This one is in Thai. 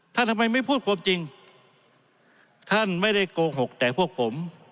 ทำไมไม่พูดความจริงท่านไม่ได้โกหกแต่พวกผม